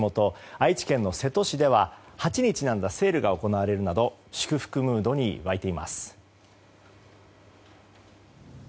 愛知県の瀬戸市では８にちなんだセールが行われるなど祝福ムードに沸いています。